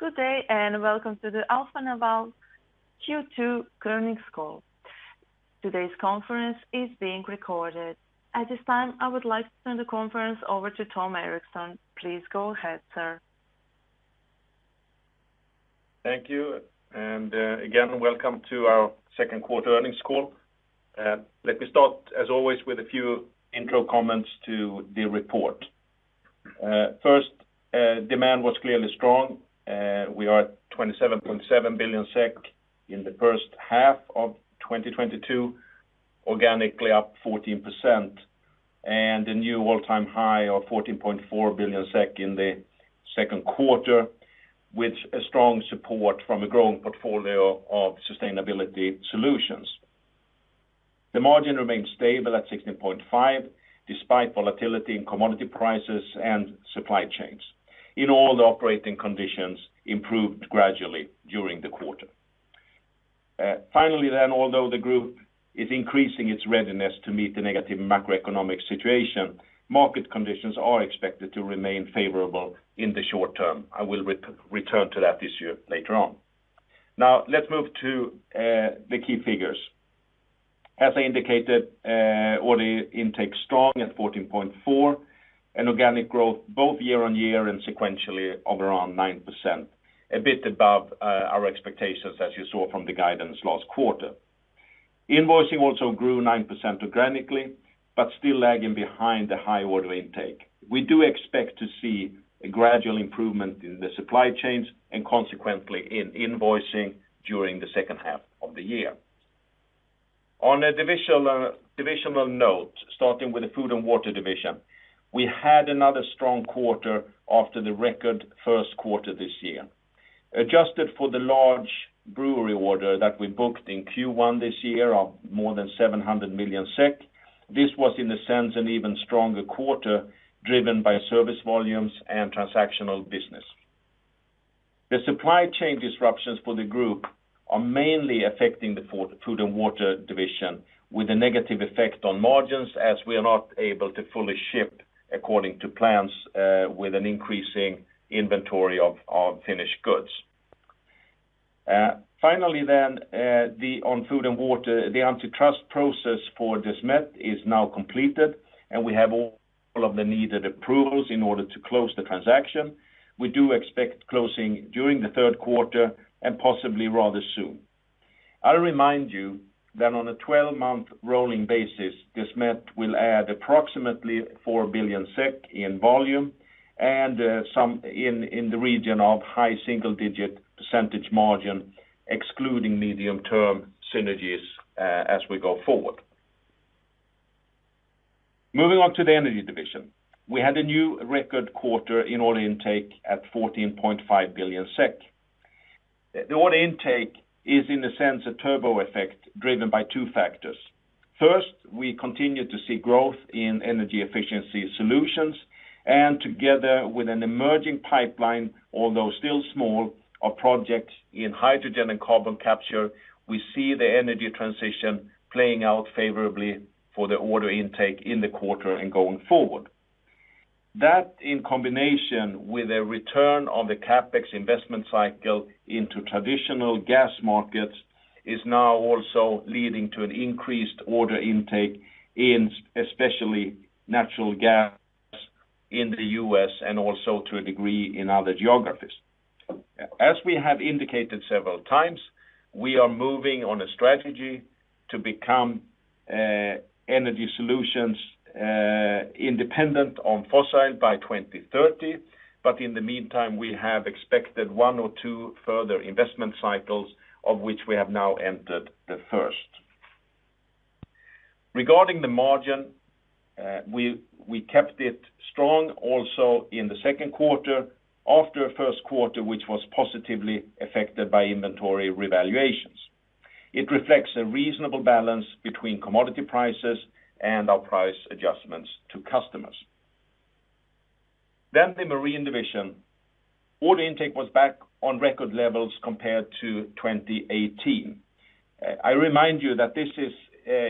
Good day, and welcome to the Alfa Laval Q2 Earnings Call. Today's conference is being recorded. At this time, I would like to turn the conference over to Tom Erixon. Please go ahead, sir. Thank you. Again, welcome to our Q2 earnings call. Let me start, as always, with a few intro comments to the report. First, demand was clearly strong. We are at 27.7 billion SEK in the H1 of 2022, organically up 14%, and a new all-time high of 14.4 billion SEK in the Q2, with strong support from a growing portfolio of sustainability solutions. The margin remains stable at 16.5%, despite volatility in commodity prices and supply chains. In all, the operating conditions improved gradually during the quarter. Finally, although the group is increasing its readiness to meet the negative macroeconomic situation, market conditions are expected to remain favorable in the short term. I will return to that issue later on. Now, let's move to the key figures. As I indicated, order intake strong at 14.4%, and organic growth both year-on-year and sequentially of around 9%, a bit above our expectations, as you saw from the guidance last quarter. Invoicing also grew 9% organically, but still lagging behind the high order intake. We do expect to see a gradual improvement in the supply chains, and consequently in invoicing during the second half of the year. On a divisional note, starting with the Food & Water division, we had another strong quarter after the record Q1 this year. Adjusted for the large brewery order that we booked in Q1 this year of more than 700 million SEK, this was, in a sense, an even stronger quarter, driven by service volumes and transactional business. The supply chain disruptions for the group are mainly affecting the Food & Water division, with a negative effect on margins as we are not able to fully ship according to plans, with an increasing inventory of finished goods. Finally, on Food & Water, the antitrust process for Desmet is now completed, and we have all of the needed approvals in order to close the transaction. We do expect closing during the Q3 and possibly rather soon. I'll remind you that on a 12-month rolling basis, Desmet will add approximately 4 billion SEK in volume and some in the region of high single-* percentage margin, excluding medium-term synergies, as we go forward. Moving on to the Energy division. We had a new record quarter in order intake at 14.5 billion SEK. The order intake is, in a sense, a turbo effect driven by two factors. First, we continue to see growth in energy efficiency solutions, and together with an emerging pipeline, although still small of projects in hydrogen and carbon capture, we see the energy transition playing out favorably for the order intake in the quarter and going forward. That, in combination with a return on the CapEx investment cycle into traditional gas markets, is now also leading to an increased order intake in especially natural gas in the U.S. and also to a degree in other geographies. As we have indicated several times, we are moving on a strategy to become energy solutions independent on fossil by 2030, but in the meantime, we have expected one or two further investment cycles, of which we have now entered the first. Regarding the margin, we kept it strong also in the Q2 after a Q1, which was positively affected by inventory revaluations. It reflects a reasonable balance between commodity prices and our price adjustments to customers. The marine division. Order intake was back on record levels compared to 2018. I remind you that this is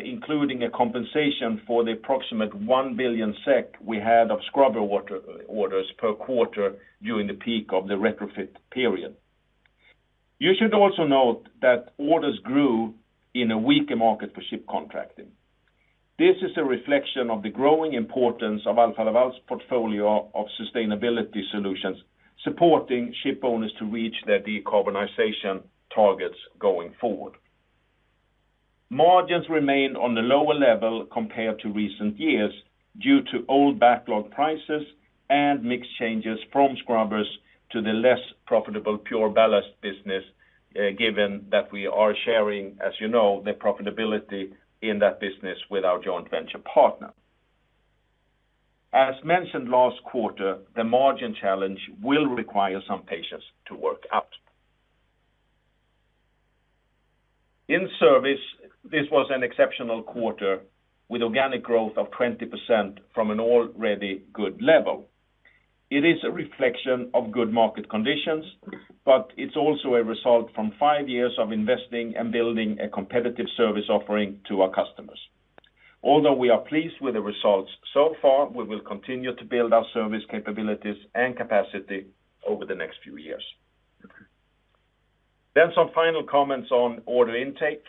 including a compensation for the approximate 1 billion SEK we had of scrubber water orders per quarter during the peak of the retrofit period. You should also note that orders grew in a weaker market for ship contracting. This is a reflection of the growing importance of Alfa Laval's portfolio of sustainability solutions, supporting ship owners to reach their decarbonization targets going forward. Margins remained on the lower level compared to recent years due to old backlog prices and mix changes from scrubbers to the less profitable PureBallast business, given that we are sharing, as you know, the profitability in that business with our joint venture partner. As mentioned last quarter, the margin challenge will require some patience to work out. In service, this was an exceptional quarter with organic growth of 20% from an already good level. It is a reflection of good market conditions, but it's also a result from five years of investing and building a competitive service offering to our customers. Although we are pleased with the results so far, we will continue to build our service capabilities and capacity over the next few years. Some final comments on order intake.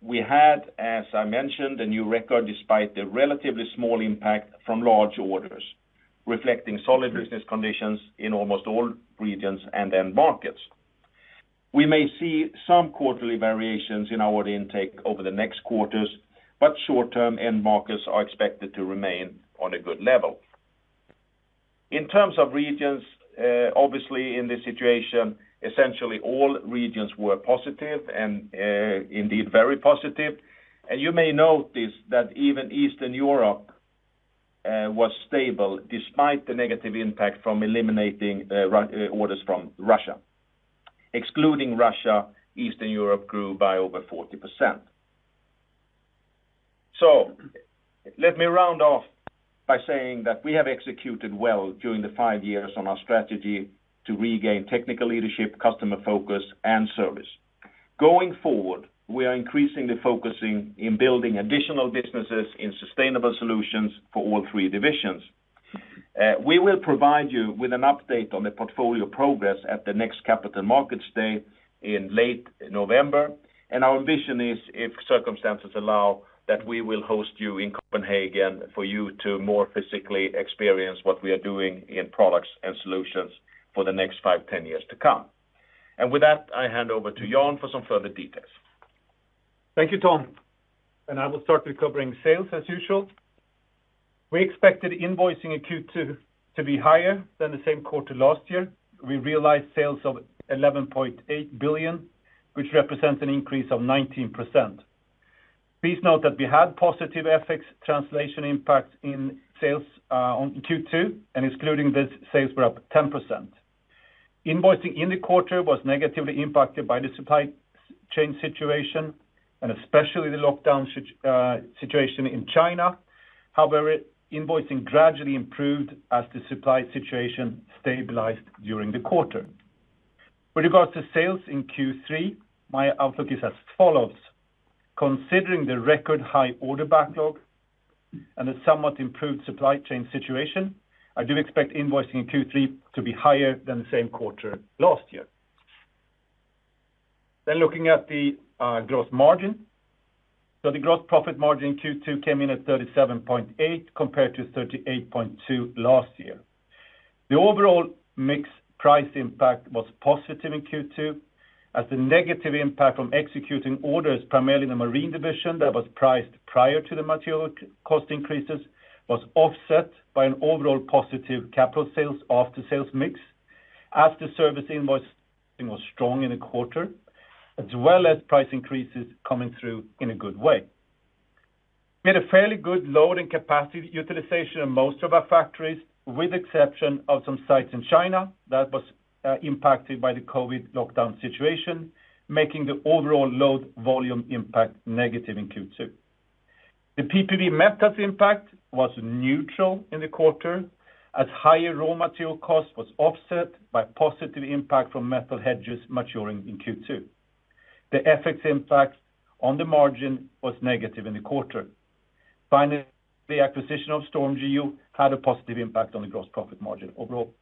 We had, as I mentioned, a new record despite the relatively small impact from large orders, reflecting solid business conditions in almost all regions and end markets. We may see some quarterly variations in our intake over the next quarters, but short term, end markets are expected to remain on a good level. In terms of regions, obviously, in this situation, essentially all regions were positive and indeed very positive. You may notice that even Eastern Europe was stable despite the negative impact from eliminating Russian orders from Russia. Excluding Russia, Eastern Europe grew by over 40%. Let me round off by saying that we have executed well during the five years on our strategy to regain technical leadership, customer focus, and service. Going forward, we are increasingly focusing in building additional businesses in sustainable solutions for all three divisions. We will provide you with an update on the portfolio progress at the next Capital Markets Day in late November. Our vision is, if circumstances allow, that we will host you in Copenhagen for you to more physically experience what we are doing in products and solutions for the next five, ten years to come. With that, I hand over to Jan for some further details. Thank you, Tom, and I will start with covering sales as usual. We expected invoicing in Q2 to be higher than the same quarter last year. We realized sales of 11.8 billion, which represents an increase of 19%. Please note that we had positive FX translation impact in sales on Q2, and excluding this, sales were up 10%. Invoicing in the quarter was negatively impacted by the supply chain situation, and especially the lockdown situation in China. However, invoicing gradually improved as the supply situation stabilized during the quarter. With regards to sales in Q3, my outlook is as follows. Considering the record high order backlog and a somewhat improved supply chain situation, I do expect invoicing in Q3 to be higher than the same quarter last year. Looking at the gross margin. The gross profit margin in Q2 came in at 37.8%, compared to 38.2% last year. The overall mix price impact was positive in Q2, as the negative impact from executing orders, primarily in the Marine division that was priced prior to the material cost increases, was offset by an overall positive capital sales/after sales mix, as the service invoice was strong in the quarter, as well as price increases coming through in a good way. We had a fairly good load and capacity utilization in most of our factories, with exception of some sites in China that was impacted by the COVID lockdown situation, making the overall load volume impact negative in Q2. The PPV metals impact was neutral in the quarter, as higher raw material cost was offset by positive impact from metal hedges maturing in Q2. The FX impact on the margin was negative in the quarter. Finally, the acquisition of StormGeo had a positive impact on the gross profit margin overall.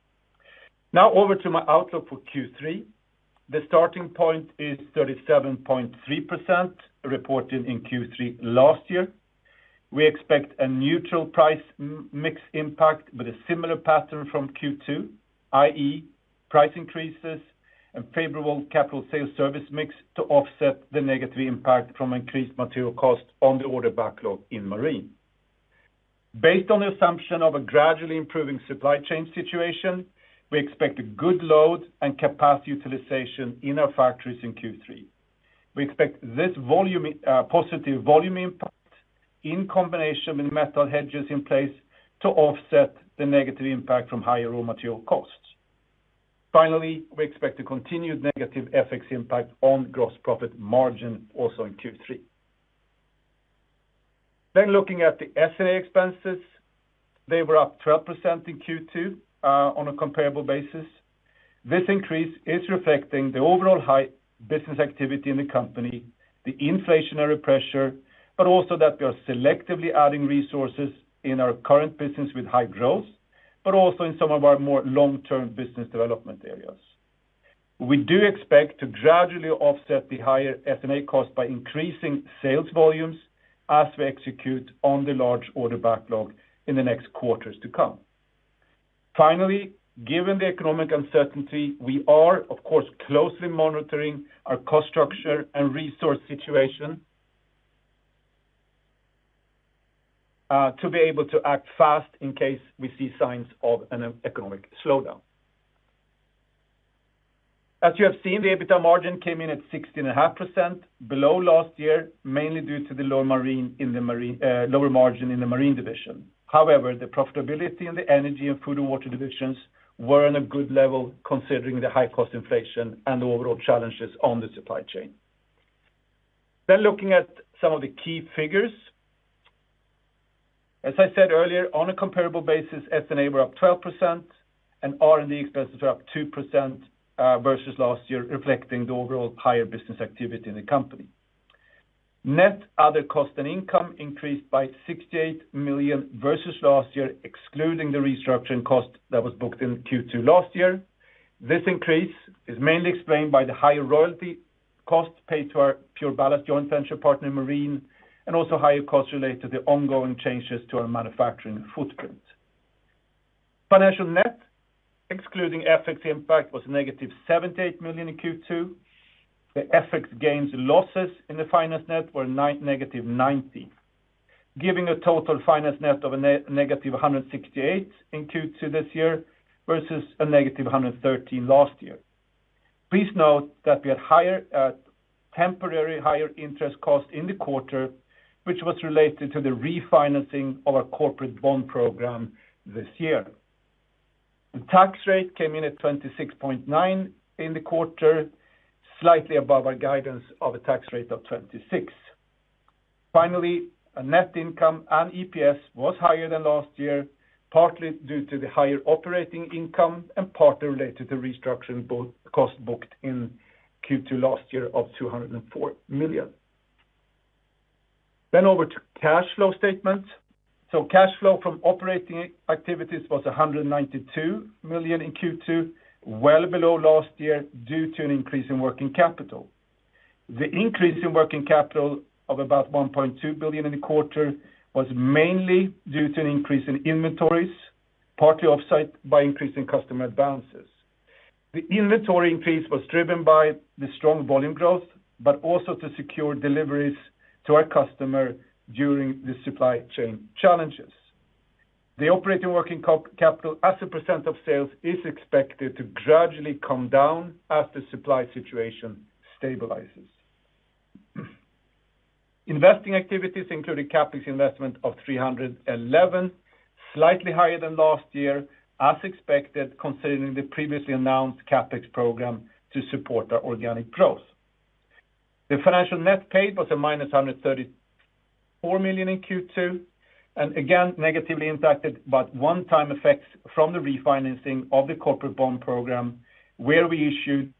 Now over to my outlook for Q3. The starting point is 37.3%, reported in Q3 last year. We expect a neutral price mix impact with a similar pattern from Q2, i.e., price increases and favorable capital sales service mix to offset the negative impact from increased material costs on the order backlog in Marine. Based on the assumption of a gradually improving supply chain situation, we expect a good load and capacity utilization in our factories in Q3. We expect this volume, positive volume impact in combination with metal hedges in place to offset the negative impact from higher raw material costs. Finally, we expect a continued negative FX impact on gross profit margin also in Q3. Looking at the S&A expenses, they were up 12% in Q2 on a comparable basis. This increase is reflecting the overall high business activity in the company, the inflationary pressure, but also that we are selectively adding resources in our current business with high growth, but also in some of our more long-term business development areas. We do expect to gradually offset the higher S&A cost by increasing sales volumes as we execute on the large order backlog in the next quarters to come. Finally, given the economic uncertainty, we are, of course, closely monitoring our cost structure and resource situation to be able to act fast in case we see signs of an economic slowdown. As you have seen, the EBITDA margin came in at 16.5%, below last year, mainly due to the lower margin in the Marine division. However, the profitability in the Energy and Food and Water divisions were on a good level considering the high-cost inflation and the overall challenges on the supply chain. Looking at some of the key figures. As I said earlier, on a comparable basis, S&A were up 12% and R&D expenses were up 2%, versus last year, reflecting the overall higher business activity in the company. Net other cost and income increased by 68 million versus last year, excluding the restructuring cost that was booked in Q2 last year. This increase is mainly explained by the higher royalty costs paid to our PureBallast joint venture partner Marine, and also higher costs related to the ongoing changes to our manufacturing footprint. Financial net, excluding FX impact, was -78 million in Q2. The FX gains and losses in the finance net were -90 million, giving a total finance net of -168 million in Q2 this year versus -113 million last year. Please note that we had temporarily higher interest costs in the quarter, which was related to the refinancing of our corporate bond program this year. The tax rate came in at 26.9% in the quarter, slightly above our guidance of a tax rate of 26%. Finally, net income and EPS was higher than last year, partly due to the higher operating income and partly related to the restructuring cost booked in Q2 last year of 204 million. Over to cash flow statement. Cash flow from operating activities was 192 million in Q2, well below last year due to an increase in working capital. The increase in working capital of about 1.2 billion in the quarter was mainly due to an increase in inventories, partly offset by increase in customer advances. The inventory increase was driven by the strong volume growth, but also to secure deliveries to our customer during the supply chain challenges. The operating working capital as a percent of sales is expected to gradually come down as the supply situation stabilizes. Investing activities, including CapEx investment of 311 million, slightly higher than last year, as expected, considering the previously announced CapEx program to support our organic growth. The financial net paid was -134 million in Q2, and again, negatively impacted by one-time effects from the refinancing of the corporate bond program, where we issued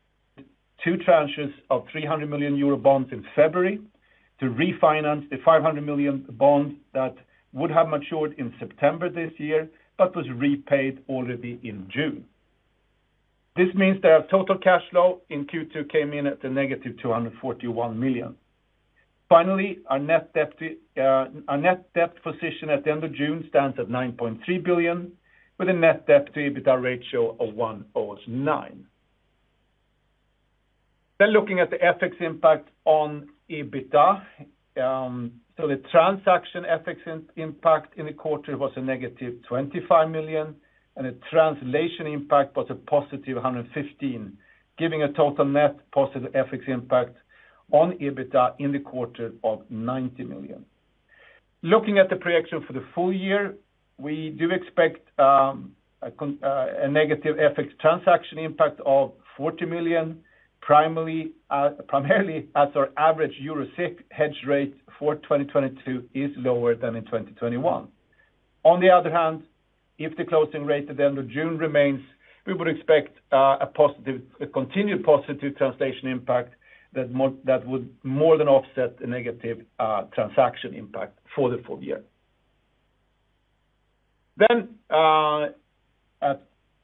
two tranches of 300 million euro bonds in February to refinance the 500 million bonds that would have matured in September this year, but was repaid already in June. This means that our total cash flow in Q2 came in at -241 million. Finally, our net debt position at the end of June stands at 9.3 billion with a net debt to EBITDA ratio of 1.09. Looking at the FX impact on EBITDA, the transaction FX impact in the quarter was a -25 million, and the translation impact was a positive 115, giving a total net positive FX impact on EBITDA in the quarter of 90 million. Looking at the projection for the full year, we do expect a negative FX transaction impact of 40 million, primarily as our average EUR/SEK hedge rate for 2022 is lower than in 2021. On the other hand, if the closing rate at the end of June remains, we would expect a continued positive translation impact that would more than offset the negative transaction impact for the full year.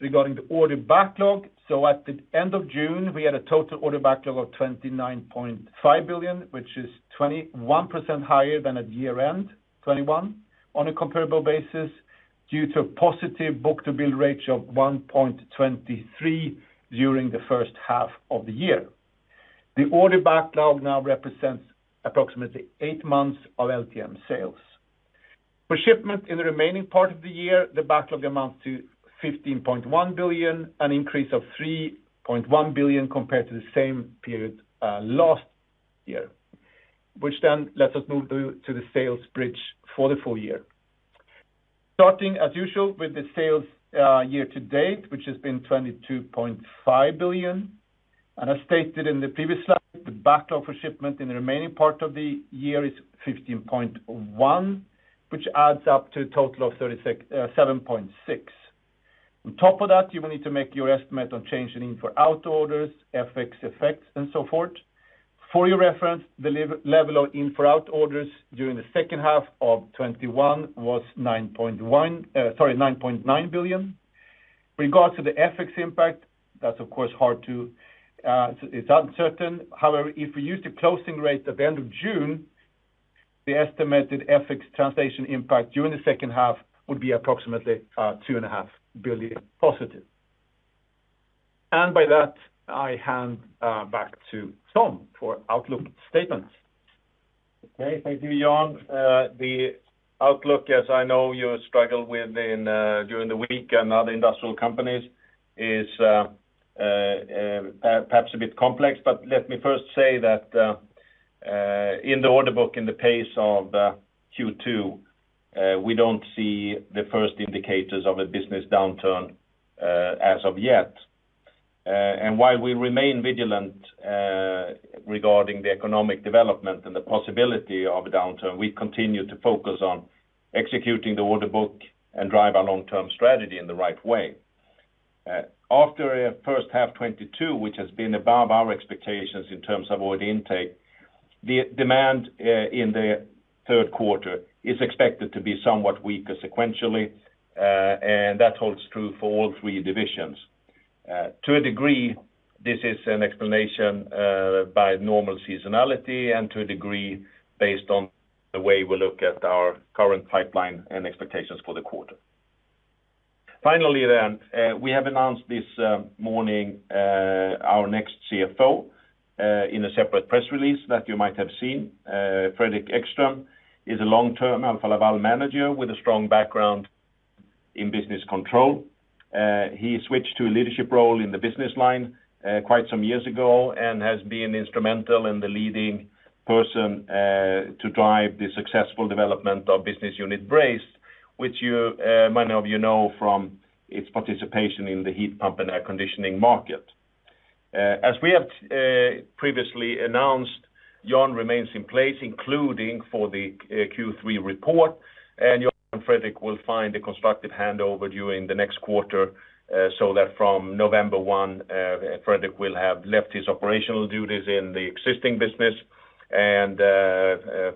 Regarding the order backlog. At the end of June, we had a total order backlog of 29.5 billion, which is 21% higher than at year-end 2021 on a comparable basis due to a positive book-to-bill rate of 1.23 during the first half of the year. The order backlog now represents approximately eight months of LTM sales. For shipment in the remaining part of the year, the backlog amounts to 15.1 billion, an increase of 3.1 billion compared to the same period last year, which then lets us move to the sales bridge for the full year. Starting as usual with the sales year-to-date, which has been 22.5 billion. As stated in the previous slide, the backlog for shipment in the remaining part of the year is 15.1 billion, which adds up to a total of 36.76 billion. On top of that, you will need to make your estimate on change in in-for-out orders, FX effects, and so forth. For your reference, the level of in-for-out orders during the second half of 2021 was 9.1 billion, sorry, 9.9 billion. Regardless of the FX impact, that's of course hard to, it's uncertain. However, if we use the closing rate at the end of June, the estimated FX translation impact during the second half would be approximately 2.5 billion positive. By that, I hand back to Tom for outlook statements. Okay. Thank you, Jan. The outlook, as I know you struggle with during the week and other industrial companies, is perhaps a bit complex. Let me first say that in the order book, in the pace of Q2, we don't see the first indicators of a business downturn as of yet. While we remain vigilant regarding the economic development and the possibility of a downturn, we continue to focus on executing the order book and drive our long-term strategy in the right way. After a first half 2022, which has been above our expectations in terms of order intake, the demand in the Q3 is expected to be somewhat weaker sequentially, and that holds true for all three divisions. To a degree, this is an explanation by normal seasonality and to a degree based on the way we look at our current pipeline and expectations for the quarter. Finally, we have announced this morning our next CFO in a separate press release that you might have seen. Fredrik Ekström is a long-term Alfa Laval manager with a strong background in business control. He switched to a leadership role in the business line quite some years ago and has been instrumental as the leading person to drive the successful development of business unit Brazed, which many of you know from its participation in the heat pump and air conditioning market. As we have previously announced, Jan remains in place, including for the Q3 report, and Jan and Fredrik will find a constructive handover during the next quarter, so that from November 1, Fredrik will have left his operational duties in the existing business and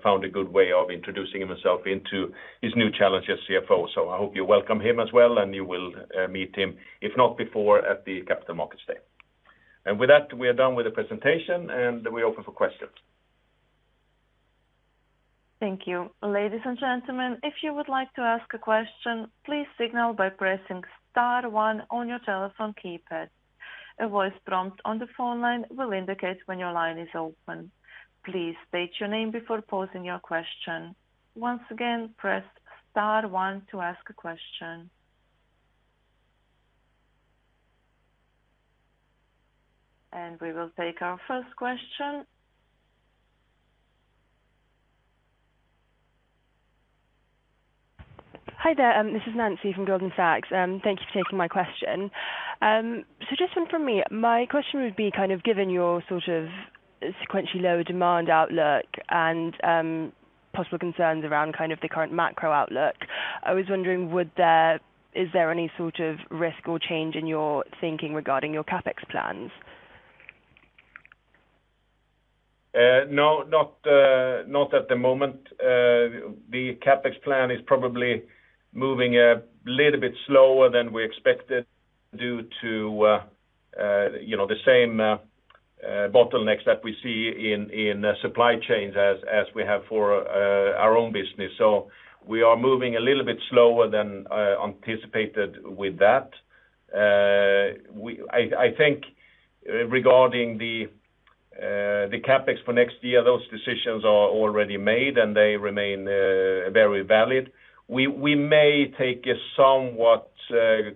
found a good way of introducing himself into his new challenge as CFO. I hope you welcome him as well, and you will meet him, if not before, at the Capital Markets Day. With that, we are done with the presentation, and we open for questions. Thank you. Ladies and gentlemen, if you would like to ask a question, please signal by pressing star one on your telephone keypad. A voice prompt on the phone line will indicate when your line is open. Please state your name before posing your question. Once again, press star one to ask a question. We will take our first question. Hi there, this is Nancy from Goldman Sachs. Thank you for taking my question. Just one from me. My question would be kind of given your sort of sequentially lower demand outlook and possible concerns around kind of the current macro-outlook, is there any sort of risk or change in your thinking regarding your CapEx plans? No, not at the moment. The CapEx plan is probably moving a little bit slower than we expected due to you know the same bottlenecks that we see in supply chains as we have for our own business. We are moving a little bit slower than anticipated with that. I think regarding the CapEx for next year, those decisions are already made and they remain very valid. We may take a somewhat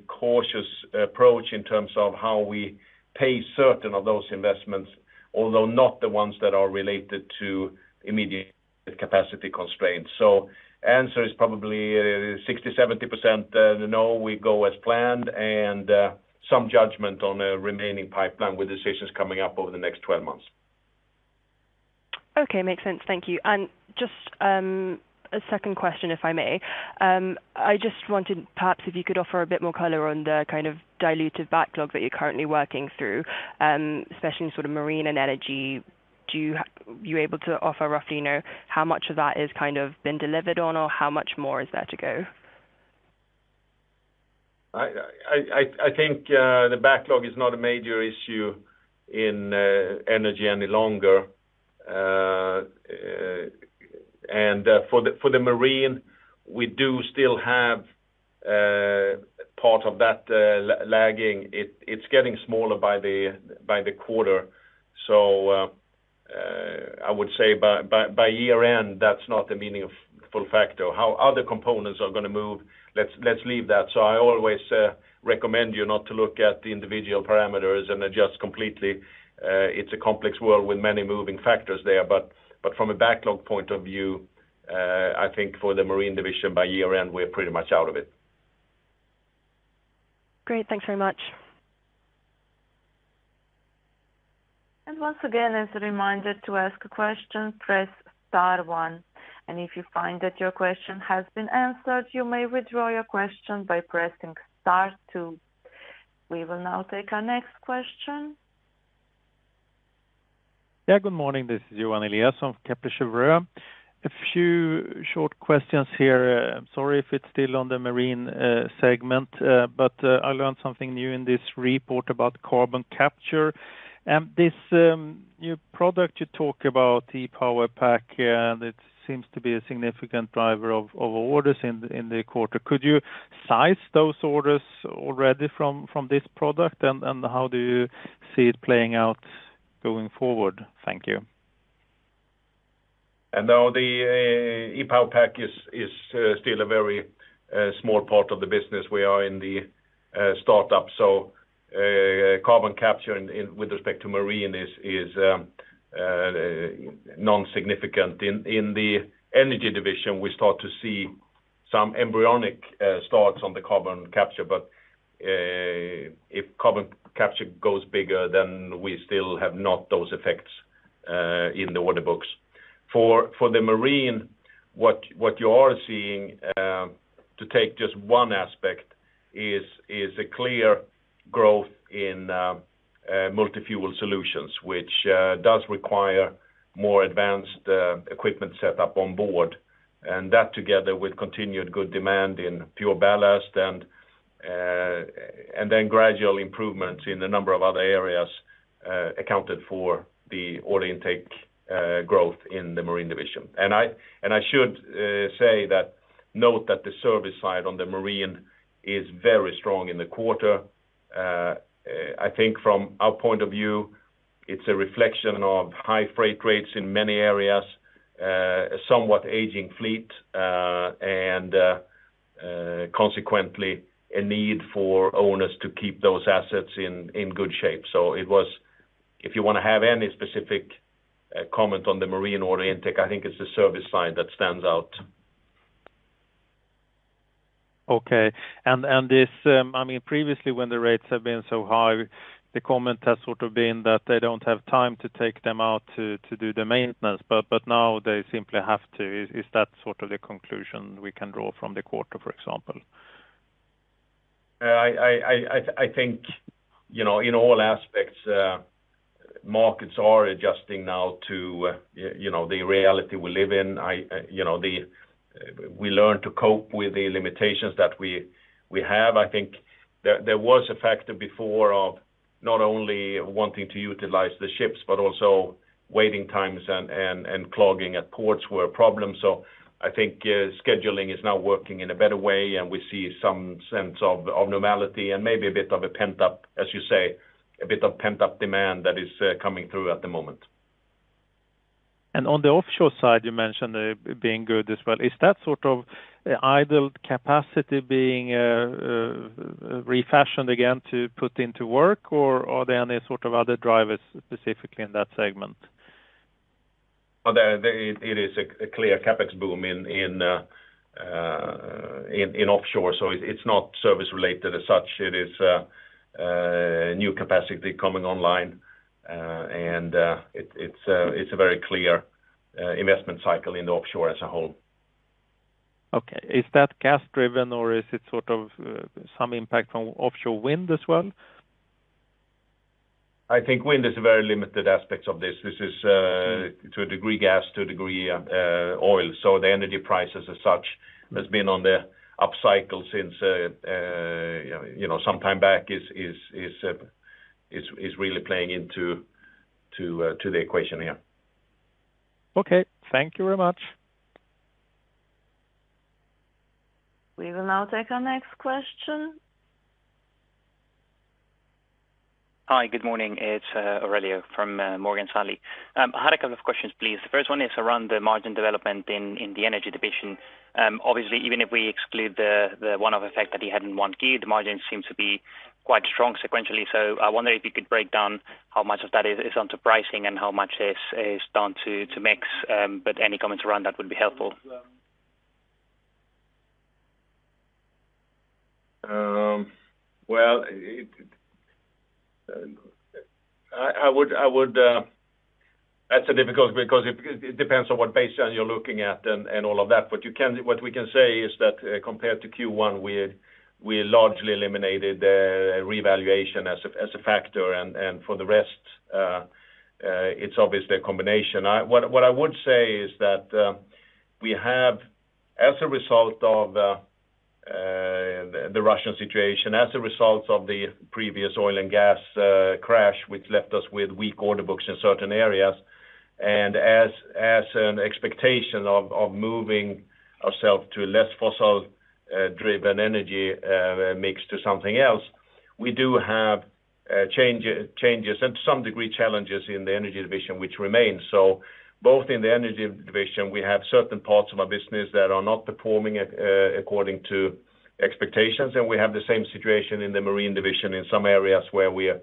cautious approach in terms of how we pay certain of those investments, although not the ones that are related to immediate capacity constraints. The answer is probably 60%, 70% no, we go as planned, and some judgment on a remaining pipeline with decisions coming up over the next 12 months. Okay, makes sense. Thank you. Just a second question, if I may. I just wanted perhaps if you could offer a bit more color on the kind of diluted backlog that you're currently working through, especially in sort of marine and energy. Are you able to offer roughly, you know, how much of that is kind of been delivered on or how much more is there to go? I think the backlog is not a major issue in energy any longer. For the marine, we do still have part of that lagging. It's getting smaller by the quarter. I would say by year-end, that's not the meaningful factor. How other components are going to move, let's leave that. I always recommend you not to look at the individual parameters and adjust completely. It's a complex world with many moving factors there. From a backlog point of view, I think for the marine division by year-end, we're pretty much out of it. Great. Thanks very much. Once again, as a reminder to ask a question, press star one. If you find that your question has been answered, you may withdraw your question by pressing star two. We will now take our next question. Yeah, good morning. This is Johan Eliason from Kepler Cheuvreux. A few short questions here. Sorry if it's still on the marine segment, but I learned something new in this report about carbon capture. This new product you talk about, E-PowerPack, and it seems to be a significant driver of orders in the quarter. Could you size those orders already from this product? How do you see it playing out going forward? Thank you. Now the E-PowerPack is still a very small part of the business. We are in the startup. Carbon capture in with respect to marine is non-significant. In the energy division, we start to see some embryonic starts on the carbon capture, but if carbon capture goes bigger, then we still have not those effects in the order books. For the marine, what you are seeing to take just one aspect is a clear growth in multi-fuel solutions, which does require more advanced equipment set up on board. That together with continued good demand in PureBallast and then gradual improvements in a number of other areas accounted for the order intake growth in the marine division. I should note that the service side on the marine is very strong in the quarter. I think from our point of view, it's a reflection of high freight rates in many areas, somewhat aging fleet, and consequently a need for owners to keep those assets in good shape. If you want to have any specific comment on the marine order intake, I think it's the service side that stands out. Okay. This, I mean, previously when the rates have been so high, the comment has sort of been that they don't have time to take them out to do the maintenance, but now they simply have to. Is that sort of the conclusion we can draw from the quarter, for example? I think, you know, in all aspects, markets are adjusting now to, you know, the reality we live in. We learn to cope with the limitations that we have. I think there was a factor before of not only wanting to utilize the ships but also waiting times and clogging at ports were a problem. I think scheduling is now working in a better way, and we see some sense of normality and maybe a bit of pent-up demand, as you say, that is coming through at the moment. On the offshore side, you mentioned being good as well. Is that sort of idle capacity being refashioned again to put to work, or are there any sort of other drivers specifically in that segment? Well, it is a clear CapEx boom in offshore, so it's not service related as such. It is new capacity coming online. It's a very clear investment cycle in offshore as a whole. Okay. Is that gas-driven or is it sort of, some impact from offshore wind as well? I think wind is a very limited aspect of this. This is, to a degree, gas, to a degree, oil. The energy prices as such has been on the upcycle since, you know, some time back is really playing into to the equation here. Okay. Thank you very much. We will now take our next question. Hi, good morning. It's Aurelio from Morgan Stanley. I had a couple of questions, please. The first one is around the margin development in the energy division. Obviously, even if we exclude the one-off effect that you had in Q1, the margins seem to be quite strong sequentially. I wonder if you could break down how much of that is down to pricing and how much is down to mix. Any comments around that would be helpful. Well, that's difficult because it depends on what baseline you're looking at and all of that. What we can say is that, compared to Q1, we largely eliminated revaluation as a factor. For the rest, it's obviously a combination. What I would say is that we have, as a result of the Russian situation, as a result of the previous oil and gas crash, which left us with weak order books in certain areas, and as an expectation of moving ourselves to less fossil driven energy mix to something else, we do have changes and to some degree, challenges in the energy division which remain. Both in the energy division, we have certain parts of our business that are not performing according to expectations, and we have the same situation in the marine division in some areas where we are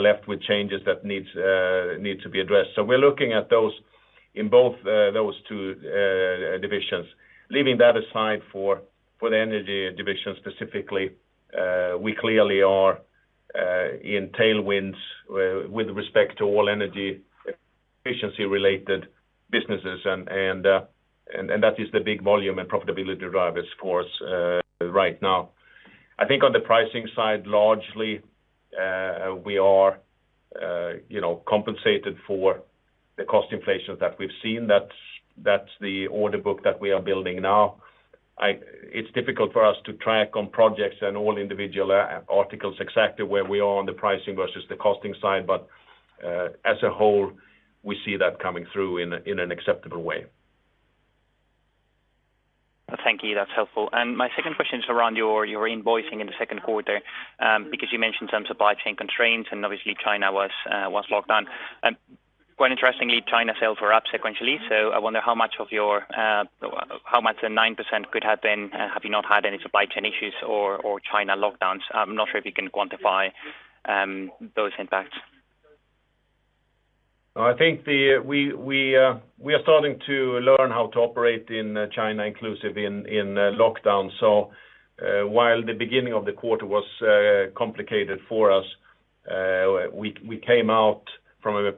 left with changes that need to be addressed. We're looking at those in both those two divisions. Leaving that aside for the energy division specifically, we clearly are in tailwinds with respect to all energy efficiency-related businesses and that is the big volume and profitability drivers for us right now. I think on the pricing side, largely, we are, you know, compensated for the cost inflation that we've seen. That's the order book that we are building now. It's difficult for us to track on projects and all individual articles exactly where we are on the pricing versus the costing side, but as a whole, we see that coming through in an acceptable way. Thank you. That's helpful. My second question is around your invoicing in the Q2, because you mentioned some supply chain constraints and obviously China was locked down. Quite interestingly, China sales were up sequentially. I wonder how much the 9% could have been, had you not had any supply chain issues or China lockdowns. I'm not sure if you can quantify those impacts. I think we are starting to learn how to operate in China, including in lockdowns. While the beginning of the quarter was complicated for us, we came out from a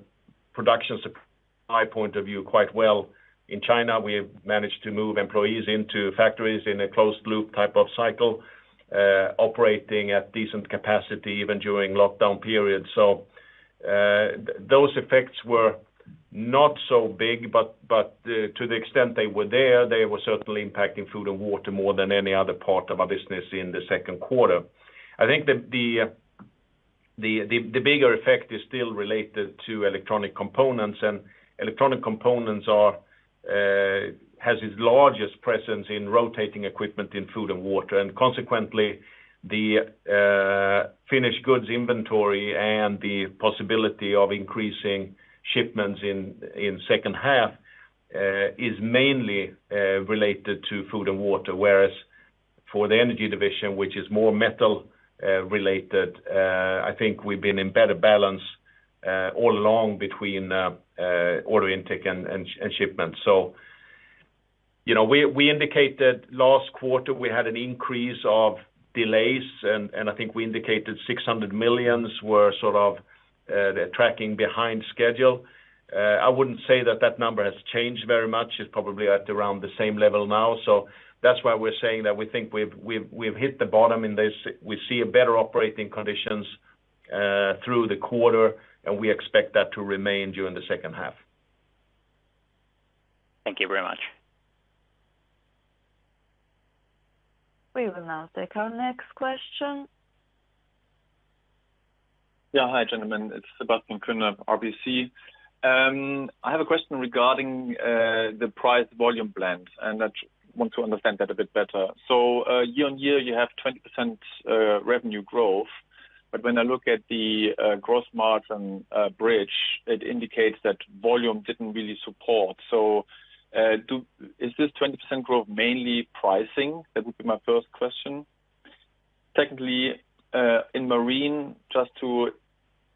production supply point of view quite well. In China, we have managed to move employees into factories in a closed loop type of cycle, operating at decent capacity even during lockdown periods. Those effects were not so big, but to the extent they were there, they were certainly impacting Food & Water more than any other part of our business in the Q2. I think the bigger effect is still related to electronic components. Electronic components has its largest presence in rotating equipment in Food & Water. Consequently, the finished goods inventory and the possibility of increasing shipments in second half is mainly related to Food & Water. Whereas for the energy division, which is more metal related, I think we've been in better balance all along between order intake and shipments. You know, we indicated last quarter we had an increase of delays, and I think we indicated 600 million were sort of tracking behind schedule. I wouldn't say that number has changed very much. It's probably at around the same level now. That's why we're saying that we think we've hit the bottom in this. We see a better operating conditions through the quarter, and we expect that to remain during the second half. Thank you very much. We will now take our next question. Yeah. Hi, gentlemen. It's Sebastian Kuenne from RBC. I have a question regarding the price volume blend, and I want to understand that a bit better. Year-on-year, you have 20% revenue growth. When I look at the gross margin bridge, it indicates that volume didn't really support. Is this 20% growth mainly pricing? That would be my first question. Secondly, in marine, just to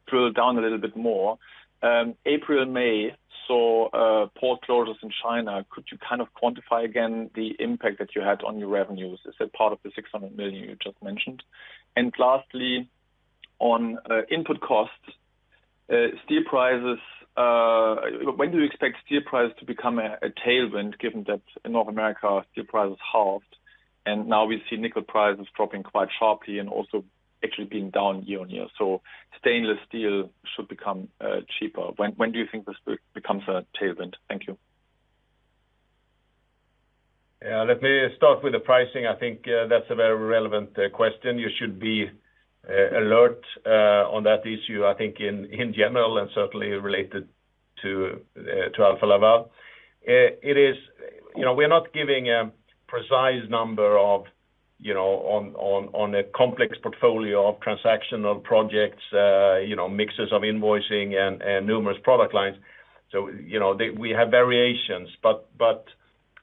drill down a little bit more, April and May saw port closures in China. Could you kind of quantify again the impact that you had on your revenues? Is that part of the 600 million you just mentioned? Lastly, on input costs, steel prices, when do you expect steel prices to become a tailwind, given that in North America, steel price was halved, and now we see nickel prices dropping quite sharply and also actually being down year-on-year. Stainless steel should become cheaper. When do you think this becomes a tailwind? Thank you. Yeah. Let me start with the pricing. I think that's a very relevant question. You should be alert on that issue, I think in general, and certainly related to Alfa Laval. It is. You know, we're not giving a precise number, you know, on a complex portfolio of transactional projects, you know, mixes of invoicing and numerous product lines. You know, we have variations.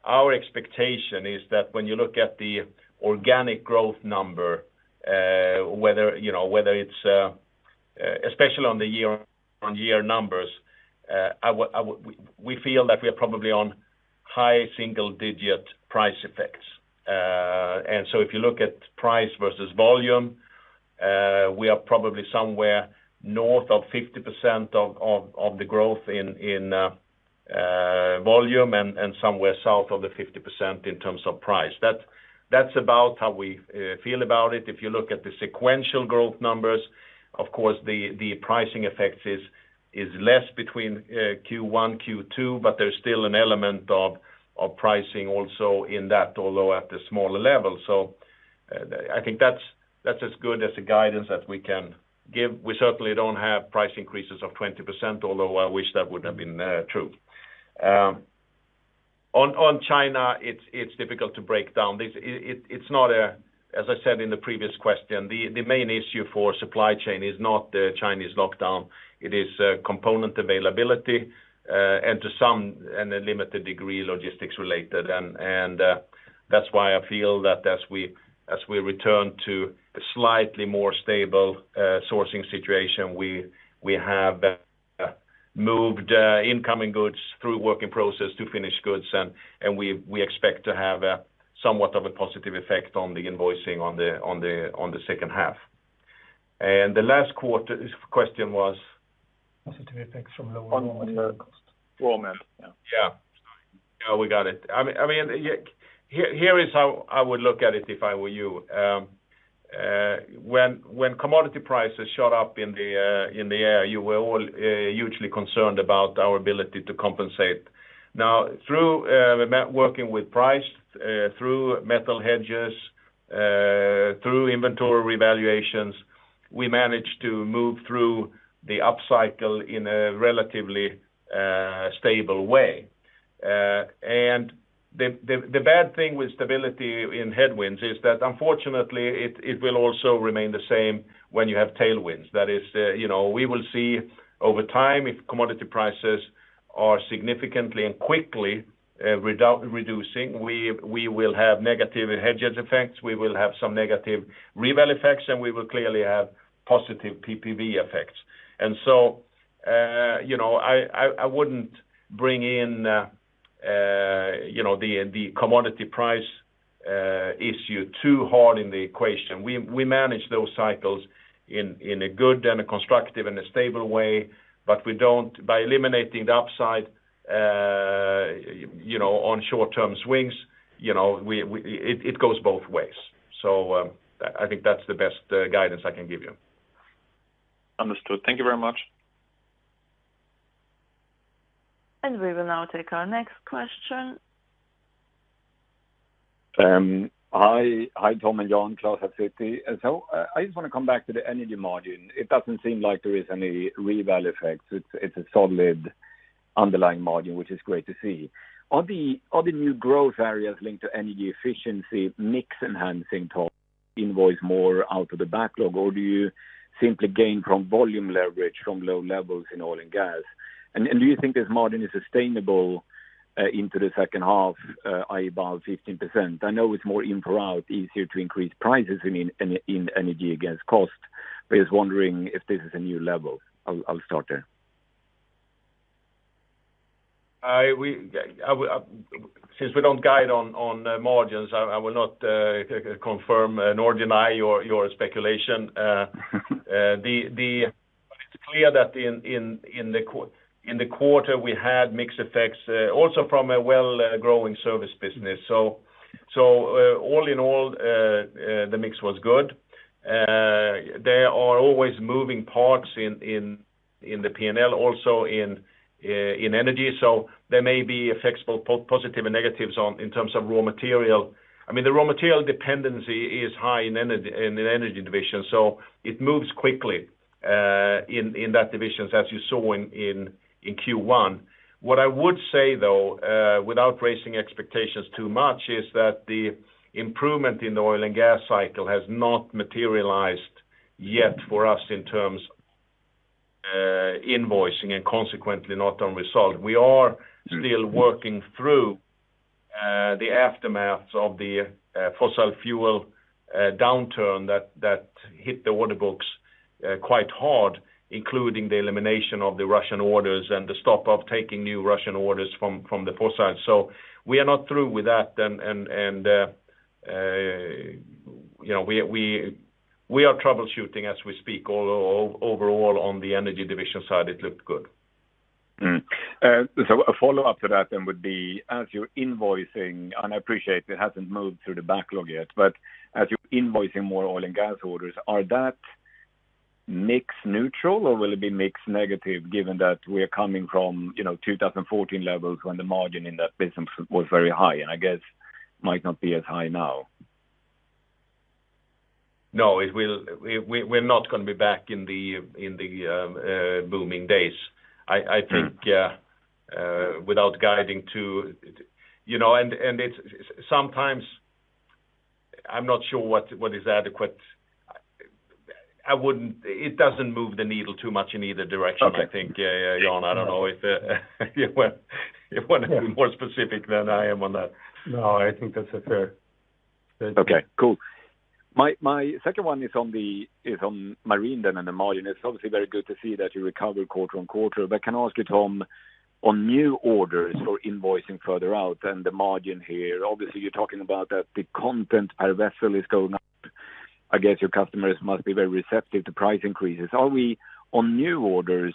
Our expectation is that when you look at the organic growth number, whether it's especially on the year-on-year numbers, we feel that we are probably on high single-digit price effects. If you look at price versus volume, we are probably somewhere north of 50% of the growth in volume and somewhere south of the 50% in terms of price. That's about how we feel about it. If you look at the sequential growth numbers, of course, the pricing effect is less between Q1, Q2, but there's still an element of pricing also in that, although at a smaller level. I think that's as good as a guidance that we can give. We certainly don't have price increases of 20%, although I wish that would have been true. On China, it's difficult to break down. It's not, as I said in the previous question, the main issue for supply chain is not the Chinese lockdown. It is component availability and to some degree, logistics related. That's why I feel that as we return to a slightly more stable sourcing situation, we have moved incoming goods through work in process to finished goods. We expect to have somewhat of a positive effect on the invoicing on the second half. The last question was? Positive effects from lower raw material costs. Raw materials. Yeah. Yeah. Yeah, we got it. I mean, here is how I would look at it if I were you. When commodity prices shot up in the year, you were all hugely concerned about our ability to compensate. Now, through working with price, through metal hedges, through inventory revaluations, we managed to move through the upcycle in a relatively stable way. The bad thing with stability in headwinds is that unfortunately, it will also remain the same when you have tailwinds. That is, you know, we will see over time if commodity prices are significantly and quickly reducing. We will have negative hedges effects. We will have some negative reval effects, and we will clearly have positive PPV effects. You know, I wouldn't bring in, you know, the commodity price issue too hard in the equation. We manage those cycles in a good and a constructive and a stable way, but we don't. By eliminating the upside, you know, on short-term swings, you know, it goes both ways. I think that's the best guidance I can give you. Understood. Thank you very much. We will now take our next question. Hi, Tom and Jan. Klas at Citi. I just want to come back to the energy margin. It doesn't seem like there is any reval effects. It's a solid underlying margin, which is great to see. Are the new growth areas linked to energy efficiency, mix enhancing to invoice more out of the backlog? Or do you simply gain from volume leverage from low levels in oil and gas? And do you think this margin is sustainable into the second half, i.e., above 15%? I know it's more in-for-out, easier to increase prices in energy against cost. I was wondering if this is a new level. I'll start there. Since we don't guide on margins, I will not confirm nor deny your speculation. It's clear that in the quarter, we had mix effects also from a well growing service business. All in all, the mix was good. There are always moving parts in the P&L, also in energy. There may be effects, both positive and negative in terms of raw material. I mean, the raw material dependency is high in energy, in the energy division, so it moves quickly in that division, as you saw in Q1. What I would say, though, without raising expectations too much, is that the improvement in the oil and gas cycle has not materialized yet for us in terms, invoicing and consequently not on result. We are still working through the aftermaths of the fossil fuel downturn that hit the order books quite hard, including the elimination of the Russian orders and the stop of taking new Russian orders from the foreside. We are not through with that. You know, we are troubleshooting as we speak. Although overall, on the energy division side, it looked good. A follow-up to that then would be, as you're invoicing, and I appreciate it hasn't moved through the backlog yet, but as you're invoicing more oil and gas orders, is the mix neutral or will it be mix negative, given that we are coming from, you know, 2014 levels when the margin in that business was very high and I guess might not be as high now? No, it will. We're not going to be back in the booming days. I think without guiding to, you know, and it's sometimes I'm not sure what is adequate. It doesn't move the needle too much in either direction, I think. Okay. Yeah, Jan, I don't know if you want to be more specific than I am on that. No, I think that's a fair statement. Okay, cool. My second one is on marine then and the margin. It's obviously very good to see that you recover quarter-over-quarter. Can I ask you, Tom, on new orders or invoicing further out and the margin here. Obviously, you're talking about that the content per vessel is going up. I guess your customers must be very receptive to price increases. Are we on new orders,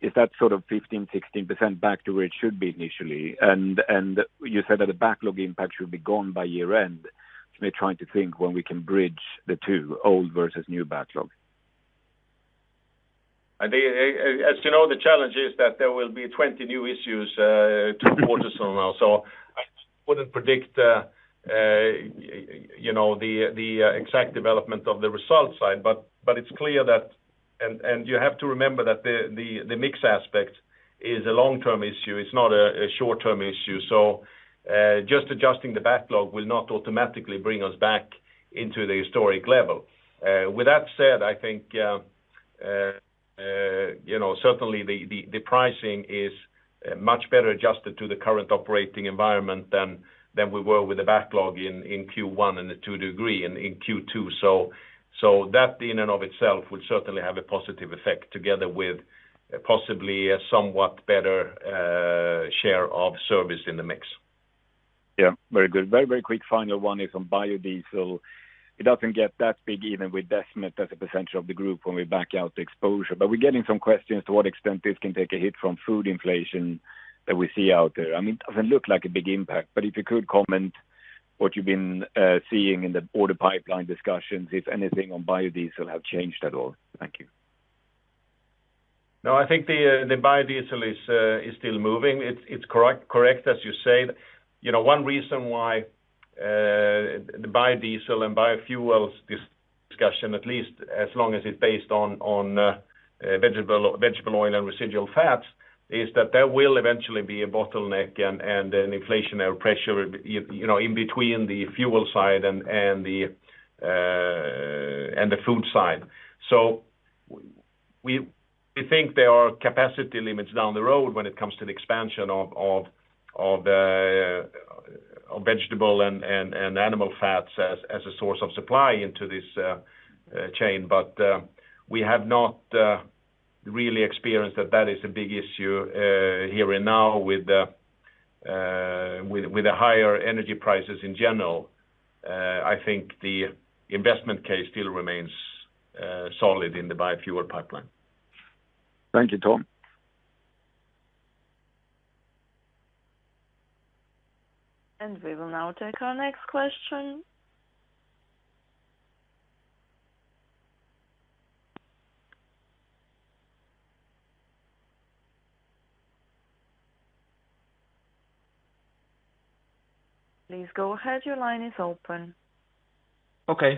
is that sort of 15%-16% back to where it should be initially? You said that the backlog impact should be gone by year-end. Just me trying to think when we can bridge the two, old versus new backlog. As you know, the challenge is that there will be 20 new issues, two quarters from now. I wouldn't predict, you know, the exact development of the result side. It's clear that you have to remember that the mix aspect is a long-term issue. It's not a short-term issue. Just adjusting the backlog will not automatically bring us back into the historic level. With that said, I think, you know, certainly the pricing is much better adjusted to the current operating environment than we were with the backlog in Q1 and Q2. That in and of itself would certainly have a positive effect together with possibly a somewhat better share of service in the mix. Yeah, very good. Very, very quick final one is on biodiesel. It doesn't get that big even with Desmet as a percentage of the group when we back out the exposure. But we're getting some questions to what extent this can take a hit from food inflation that we see out there. I mean, it doesn't look like a big impact, but if you could comment what you've been seeing in the order pipeline discussions, if anything, on biodiesel have changed at all. Thank you. No, I think the biodiesel is still moving. It's correct, as you say. You know, one reason why the biodiesel and biofuels discussion, at least as long as it's based on vegetable oil and residual fats, is that there will eventually be a bottleneck and an inflationary pressure, you know, in between the fuel side and the food side. We think there are capacity limits down the road when it comes to the expansion of vegetable and animal fats as a source of supply into this chain. We have not really experienced that that is a big issue here and now with the higher energy prices in general. I think the investment case still remains solid in the biofuel pipeline. Thank you, Tom. We will now take our next question. Please go ahead, your line is open. Okay.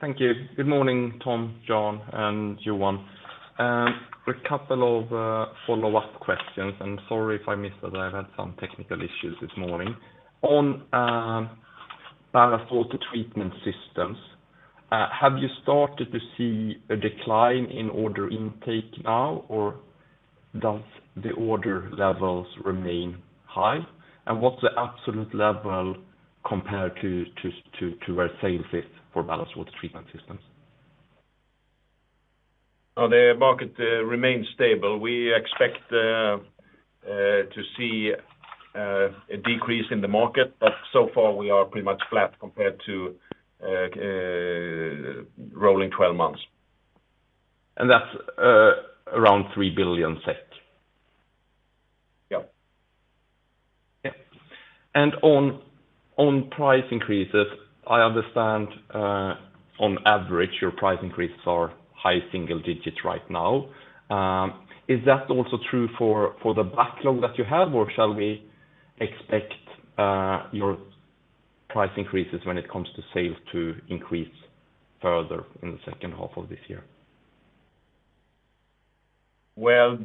Thank you. Good morning, Tom, Jan, and Johan. A couple of follow-up questions, and sorry if I missed that I've had some technical issues this morning. On ballast water treatment systems, have you started to see a decline in order intake now, or does the order levels remain high? What's the absolute level compared to where sale is for ballast water treatment systems? The market remains stable. We expect to see a decrease in the market, but so far, we are pretty much flat compared to rolling 12 months. That's around SEK 3 billion. Yeah. On price increases, I understand on average your price increases are high single-digit right now. Is that also true for the backlog that you have, or shall we expect your price increases when it comes to sales to increase further in the second half of this year? Well,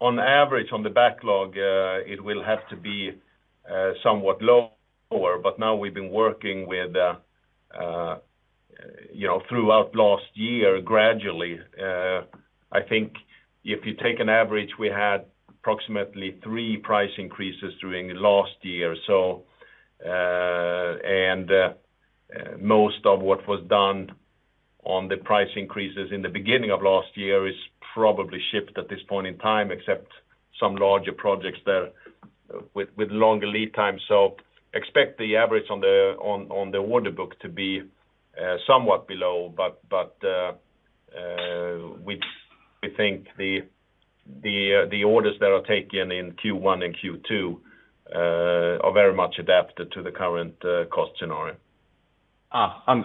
on average on the backlog, it will have to be somewhat lower, but now we've been working with, you know, throughout last year gradually. I think if you take an average, we had approximately three price increases during last year. Most of what was done on the price increases in the beginning of last year is probably shipped at this point in time, except some larger projects that with longer lead time. Expect the average on the order book to be somewhat below, but we think the orders that are taken in Q1 and Q2 are very much adapted to the current cost scenario.